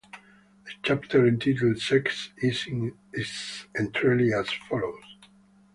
The chapter entitled "Sex" is in its entirety as follows.